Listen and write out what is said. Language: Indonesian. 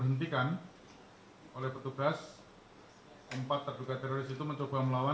jadi kalau berdasarkan resursus polri